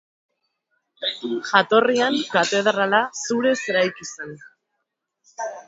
Jatorrian, katedrala, zurez eraiki zen.